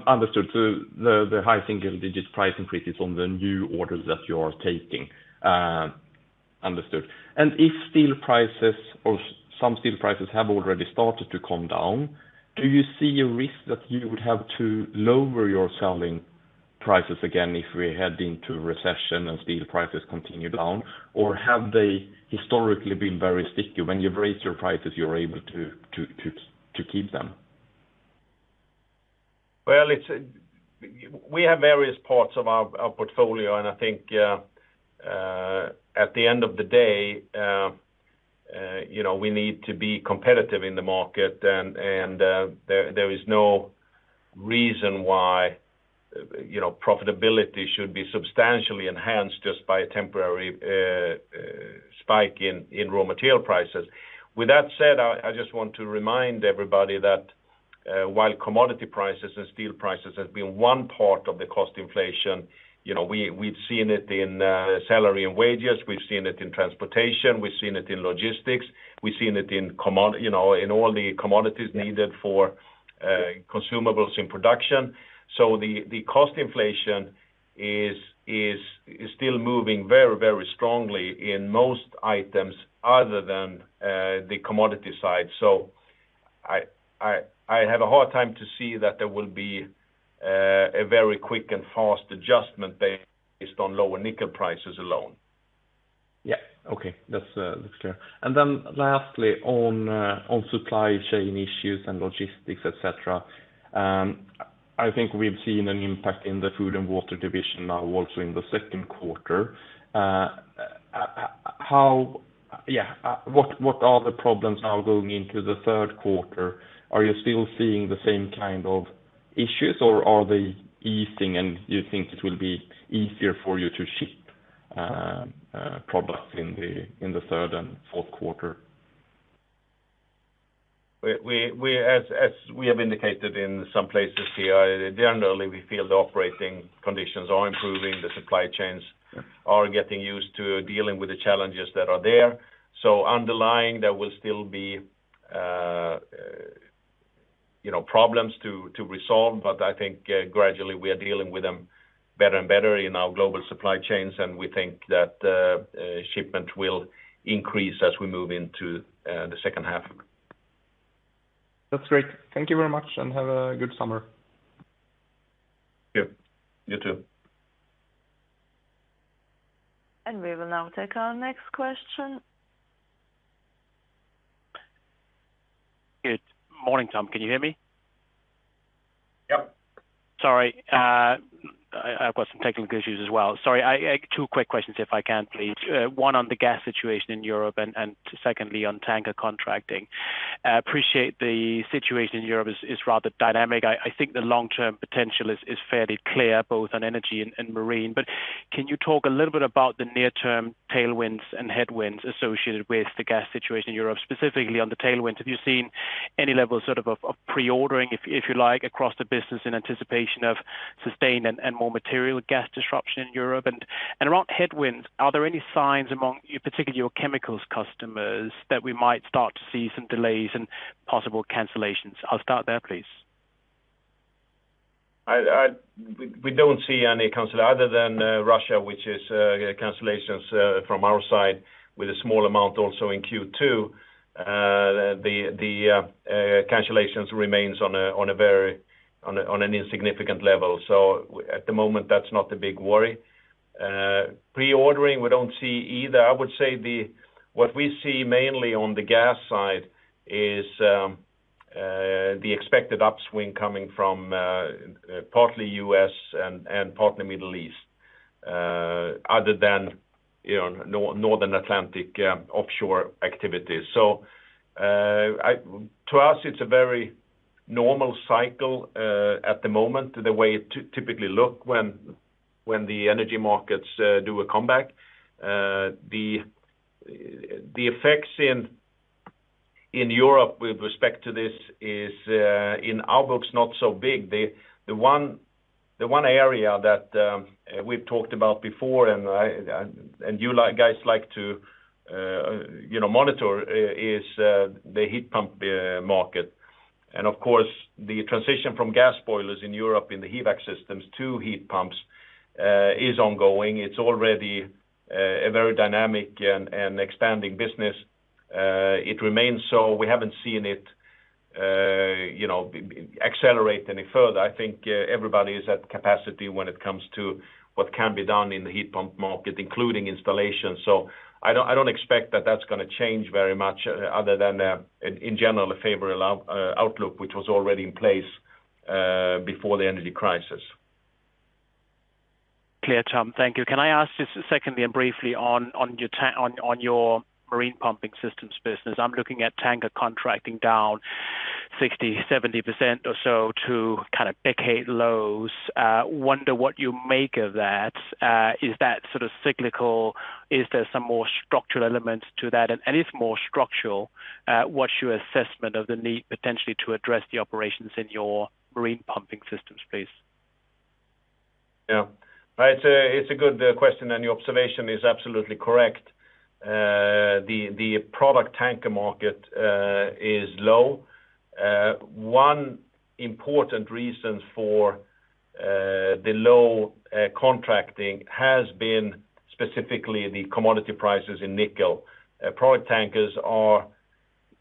Understood. The high single-digit price increases on the new orders that you are taking. Understood. If steel prices or some steel prices have already started to come down, do you see a risk that you would have to lower your selling prices again if we head into recession and steel prices continue down? Or have they historically been very sticky? When you've raised your prices, you're able to keep them. Well, it's, we have various parts of our portfolio, and I think, at the end of the day, you know, we need to be competitive in the market and, there is no reason why, you know, profitability should be substantially enhanced just by a temporary, spike in raw material prices. With that said, I just want to remind everybody that, while commodity prices and steel prices has been one part of the cost inflation, you know, we've seen it in, salary and wages, we've seen it in transportation, we've seen it in logistics, we've seen it in commodities you know, in all the commodities needed for, consumables in production. The cost inflation is still moving very strongly in most items other than, the commodity side. I have a hard time to see that there will be a very quick and fast adjustment based on lower nickel prices alone. Yeah. Okay. That's clear. Lastly, on supply chain issues and logistics, et cetera, I think we've seen an impact in the Food & Water division now also in the Q2. What are the problems now going into the Q3? Are you still seeing the same kind of issues, or are they easing and you think it will be easier for you to ship products in the Q3 and Q4? As we have indicated in some places here, generally we feel the operating conditions are improving. The supply chains are getting used to dealing with the challenges that are there. Underlying, there will still be you know problems to resolve, but I think gradually we are dealing with them better and better in our global supply chains, and we think that shipment will increase as we move into the second half. That's great. Thank you very much and have a good summer. Yeah. You too. We will now take our next question. Good morning, Tom. Can you hear me? Yep. Sorry. I've got some technical issues as well. Sorry, two quick questions if I can please. One on the gas situation in Europe and secondly on tanker contracting. I appreciate the situation in Europe is rather dynamic. I think the long-term potential is fairly clear both on energy and marine. Can you talk a little bit about the near-term tailwinds and headwinds associated with the gas situation in Europe, specifically on the tailwind? Have you seen any level sort of pre-ordering, if you like, across the business in anticipation of sustained and more material gas disruption in Europe? Around headwinds, are there any signs among your particularly chemicals customers that we might start to see some delays and possible cancellations? I'll start there, please. We don't see any cancellations other than Russia, which is cancellations from our side with a small amount also in Q2. The cancellations remains on a very insignificant level. At the moment, that's not a big worry. Pre-ordering, we don't see either. I would say what we see mainly on the gas side is the expected upswing coming from partly U.S. and partly Middle East other than, you know, North Atlantic offshore activities. To us, it's a very normal cycle at the moment, the way it typically look when the energy markets do a comeback. The effects in Europe with respect to this is in our books not so big. The one area that we've talked about before and you guys like to, you know, monitor is the heat pump market. Of course, the transition from gas boilers in Europe in the HVAC systems to heat pumps is ongoing. It's already a very dynamic and expanding business. It remains so. We haven't seen it, you know, accelerate any further. I think everybody is at capacity when it comes to what can be done in the heat pump market, including installation. I don't expect that that's going to change very much other than, in general, a favorable outlook, which was already in place before the energy crisis. Clear, Tom. Thank you. Can I ask just secondly and briefly on your marine pumping systems business? I'm looking at tanker contracting down 60%-70% or so to kind of decade lows. Wonder what you make of that. Is that sort of cyclical? Is there some more structural elements to that? If more structural, what's your assessment of the need potentially to address the operations in your marine pumping systems, please? Yeah. It's a good question, and your observation is absolutely correct. The product tanker market is low. One important reason for the low contracting has been specifically the commodity prices in nickel. Product tankers are,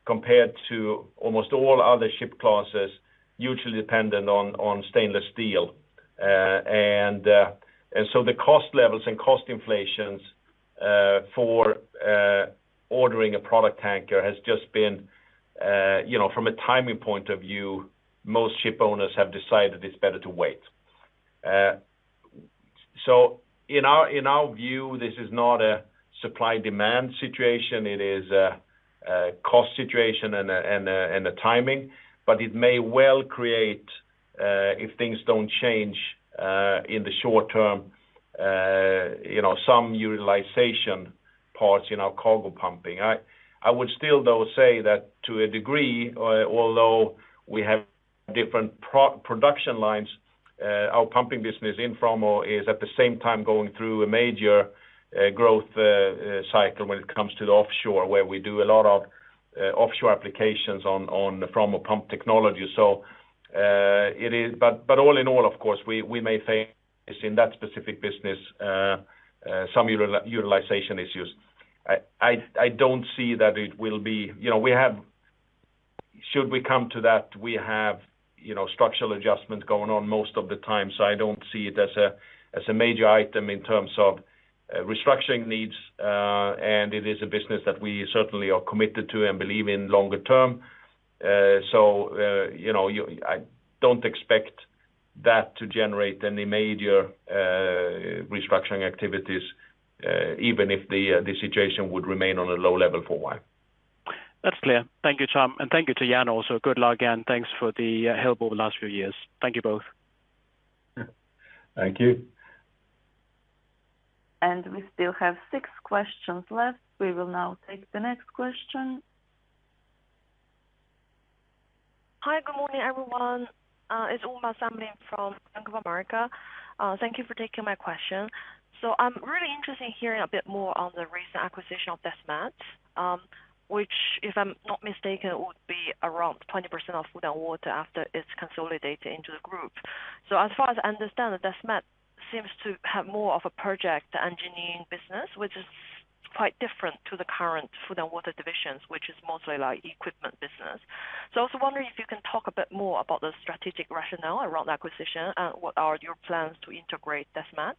compared to almost all other ship classes, hugely dependent on stainless steel. The cost levels and cost inflations for ordering a product tanker has just been, you know, from a timing point of view, most ship owners have decided it's better to wait. In our view, this is not a supply-demand situation. It is a cost situation and a timing, but it may well create, if things don't change in the short term, you know, some utilization parts in our cargo pumping. I would still though say that to a degree, although we have different production lines, our pumping business in Framo is at the same time going through a major growth cycle when it comes to the offshore, where we do a lot of offshore applications on the Framo pump technology. All in all, of course, we may face in that specific business some utilization issues. I don't see that it will be. You know, should we come to that, we have, you know, structural adjustment going on most of the time, so I don't see it as a major item in terms of restructuring needs. It is a business that we certainly are committed to and believe in longer term. You know, I don't expect that to generate any major restructuring activities, even if the situation would remain on a low level for a while. That's clear. Thank you, Tom. Thank you to Jan also. Good luck, Jan. Thanks for the help over the last few years. Thank you both. Thank you. We still have six questions left. We will now take the next question. Hi, good morning, everyone. It's Uma Samlin from Bank of America. Thank you for taking my question. I'm really interested in hearing a bit more on the recent acquisition of Desmet, which, if I'm not mistaken, would be around 20% of Food & Water after it's consolidated into the group. As far as I understand it, Desmet seems to have more of a project engineering business, which is quite different to the current Food & Water divisions, which is mostly like equipment business. I was wondering if you can talk a bit more about the strategic rationale around the acquisition, and what are your plans to integrate Desmet.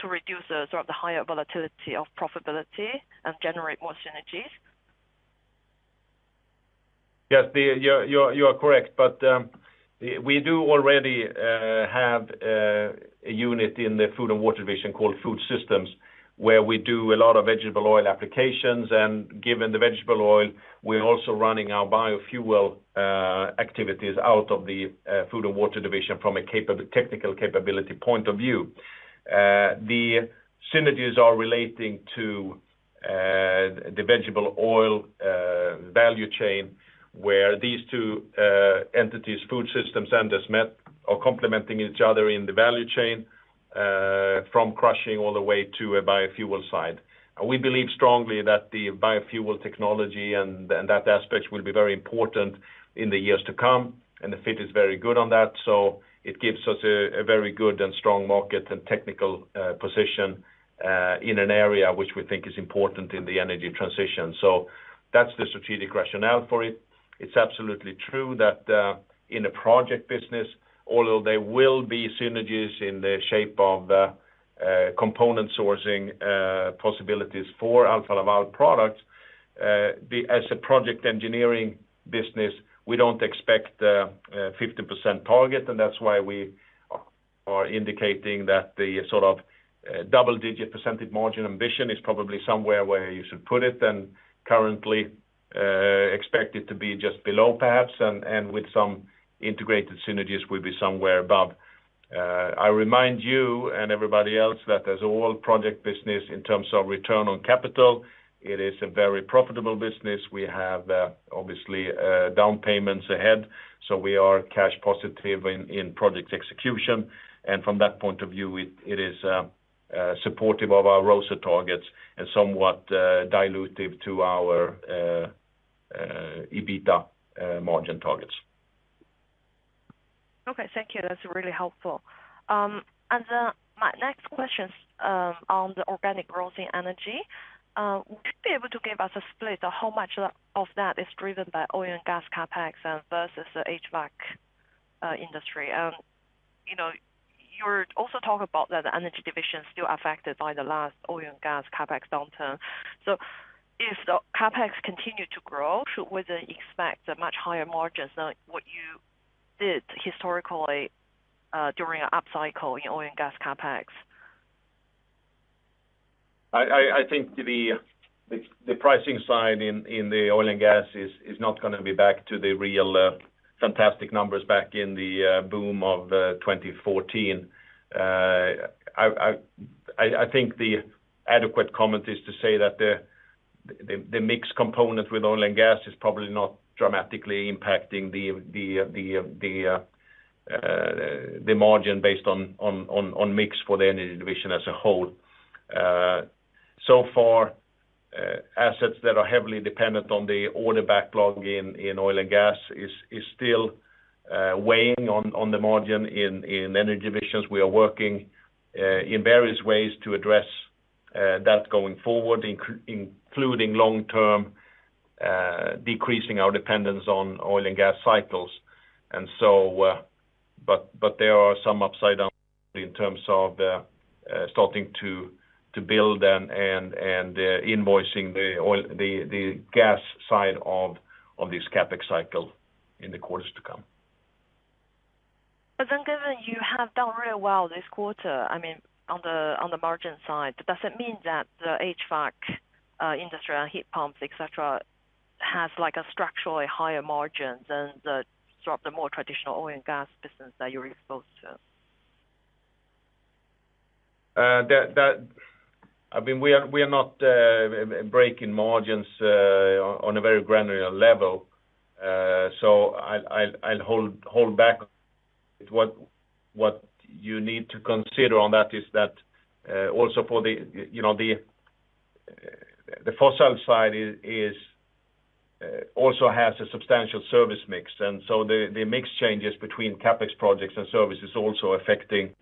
To reduce the sort of the higher volatility of profitability and generate more synergies. Yes, you are correct. We do already have a unit in the Food & Water division called Food Systems, where we do a lot of vegetable oil applications. Given the vegetable oil, we're also running our biofuel activities out of the Food & Water division from a technical capability point of view. The synergies are relating to the vegetable oil value chain, where these two entities, Food Systems and Desmet, are complementing each other in the value chain from crushing all the way to a biofuel side. We believe strongly that the biofuel technology and that aspect will be very important in the years to come, and the fit is very good on that. It gives us a very good and strong market and technical position in an area which we think is important in the energy transition. That's the strategic rationale for it. It's absolutely true that in the project business, although there will be synergies in the shape of component sourcing possibilities for Alfa Laval products, as a project engineering business, we don't expect a 50% target, and that's why we are indicating that the sort of double-digit percentage margin ambition is probably somewhere where you should put it, and currently expect it to be just below perhaps, and with some integrated synergies will be somewhere above. I remind you and everybody else that as all project business in terms of return on capital, it is a very profitable business. We have obviously down payments ahead, so we are cash positive in project execution. From that point of view, it is supportive of our ROCE targets and somewhat dilutive to our EBITDA margin targets. Okay, thank you. That's really helpful. My next question, on the organic growth in energy, would you be able to give us a split of how much of that is driven by oil and gas CapEx and versus the HVAC industry? You know, you're also talking about that the energy division is still affected by the last oil and gas CapEx downturn. If the CapEx continue to grow, would they expect much higher margins than what you did historically, during an upcycle in oil and gas CapEx? I think the pricing side in the oil and gas is not going to be back to the real fantastic numbers back in the boom of 2014. I think the adequate comment is to say that the mix component with oil and gas is probably not dramatically impacting the margin based on mix for the energy division as a whole. So far, assets that are heavily dependent on the order backlog in oil and gas are still weighing on the margin in energy divisions. We are working in various ways to address that going forward, including long-term decreasing our dependence on oil and gas cycles. There are some upside down in terms of starting to build and invoicing the gas side of this CapEx cycle in the quarters to come. Given you have done really well this quarter, I mean, on the margin side, does it mean that the HVAC industry and heat pumps, et cetera, has like a structurally higher margin than the sort of the more traditional oil and gas business that you're exposed to? I mean, we are not breaking margins on a very granular level. So, I'll hold back with what you need to consider on that is that also for the you know the fossil side is also has a substantial service mix. The mix changes between CapEx projects and service is also affecting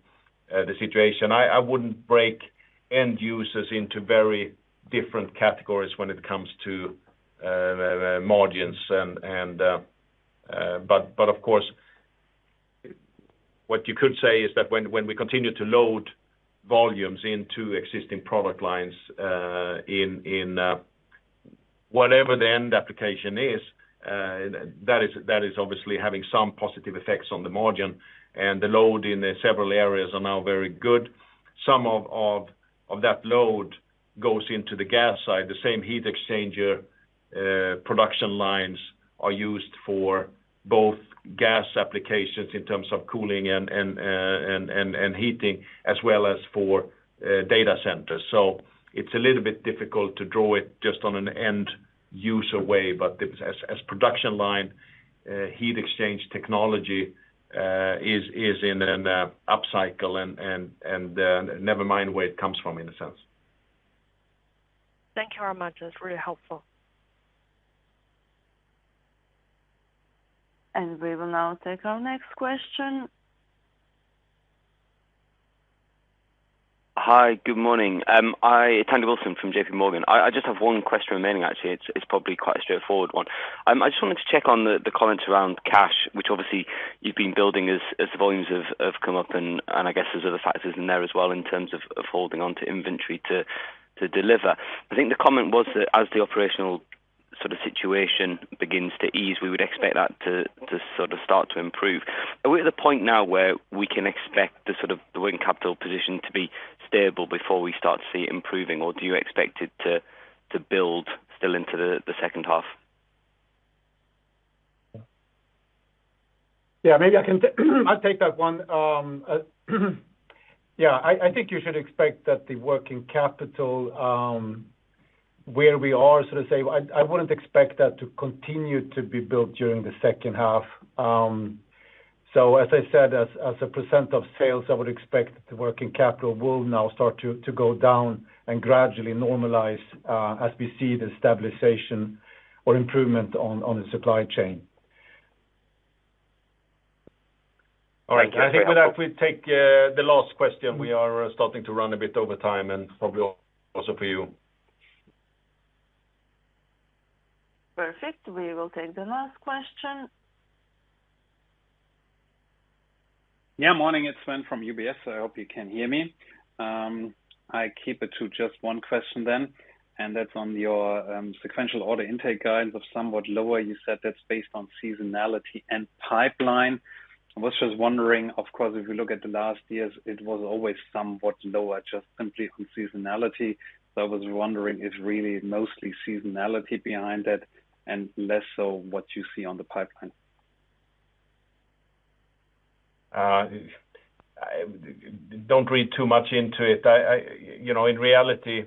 the situation. I wouldn't break end users into very different categories when it comes to margins. Of course, what you could say is that when we continue to load volumes into existing product lines in whatever the end application is that is obviously having some positive effects on the margin. The load in the several areas are now very good. Some of that load goes into the gas side. The same heat exchanger production lines are used for both gas applications in terms of cooling and heating, as well as for data centers. It's a little bit difficult to draw it just on an end user way, but as production line heat exchange technology is in an upcycle and never mind where it comes from in a sense. Thank you very much. That's really helpful. We will now take our next question. Hi, good morning. Wilson from JPMorgan. I just have one question remaining actually. It's probably quite a straightforward one. I just wanted to check on the comments around cash, which obviously you've been building as the volumes have come up, and I guess there's other factors in there as well in terms of holding on to inventory to deliver. I think the comment was that as the operational sort of situation begins to ease, we would expect that to sort of start to improve. Are we at the point now where we can expect the working capital position to be stable before we start to see it improving? Or do you expect it to build still into the second half? I'll take that one. Yeah, I think you should expect that the working capital, where we are, so to say, I wouldn't expect that to continue to be built during the second half. As I said, as a percent of sales, I would expect the working capital will now start to go down and gradually normalize, as we see the stabilization or improvement on the supply chain. All right. Thank you. I think with that we take the last question. We are starting to run a bit over time and probably also for you. Perfect. We will take the last question. Yeah. Morning, it's Sven from UBS. I hope you can hear me. I keep it to just one question then, and that's on your sequential order intake guidance of somewhat lower. You said that's based on seasonality and pipeline. I was just wondering, of course, if you look at the last years, it was always somewhat lower, just simply from seasonality. I was wondering if really mostly seasonality behind it and less, so what you see on the pipeline. Don't read too much into it. You know, in reality,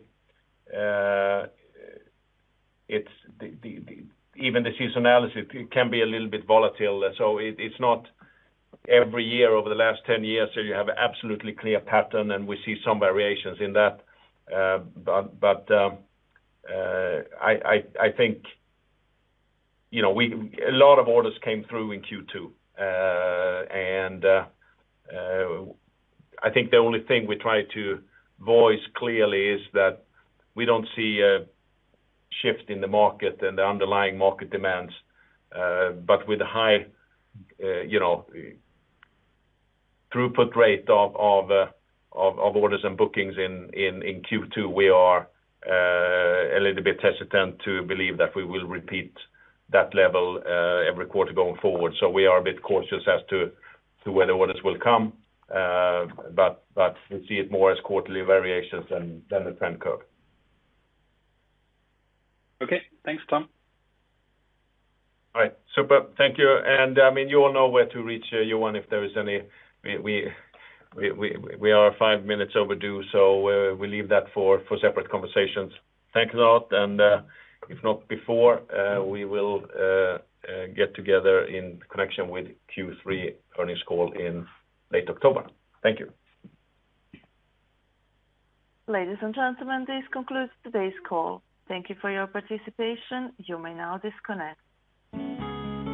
even the seasonality, it can be a little bit volatile. It's not every year over the last 10 years that you have absolutely clear pattern, and we see some variations in that. You know, a lot of orders came through in Q2. I think the only thing we try to voice clearly is that we don't see a shift in the market and the underlying market demands. But with high, you know, throughput rate of orders and bookings in Q2, we are a little bit hesitant to believe that we will repeat that level every quarter going forward. We are a bit cautious as to whether orders will come, but we see it more as quarterly variations than the trend curve. Okay. Thanks, Tom. All right. Super. Thank you. I mean, you all know where to reach Johan if there is any. We are five minutes overdue, so we leave that for separate conversations. Thanks a lot. If not before, we will get together in connection with Q3 earnings call in late October. Thank you. Ladies and gentlemen, this concludes today's call. Thank you for your participation. You may now disconnect.